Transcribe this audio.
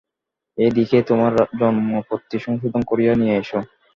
এই দেখিয়ে তোমার জন্মপত্রী সংশোধন করিয়ে নিয়ে এসো।